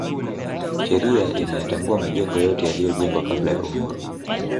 sheria inayatambua majengo yote yaliyojengwa kabla ya uhuru